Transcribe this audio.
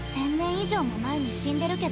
以上も前に死んでるけど。